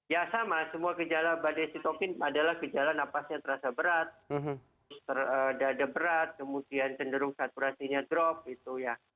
ya sama semua gejala badai sitokin adalah gejala napasnya terasa berat dada berat kemudian cenderung saturasinya drop gitu ya